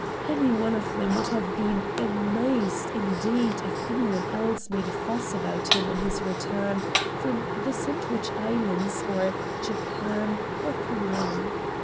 Any one of them would have been amazed 24 RED DIAMONDS indeed if anyone else made a fuss about him on his return from the Sandwich Islands, or Japan, or Peru.